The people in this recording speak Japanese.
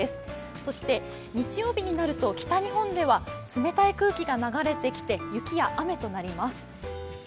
そして、日曜日になると北日本では冷たい空気が流れてきて雪や雨となります。